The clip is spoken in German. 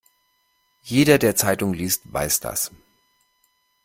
Jeder, der Zeitung liest, weiß das.